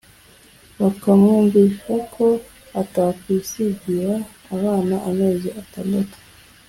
bakamwumvisha ko atakwisigira abana. Amezi atandatu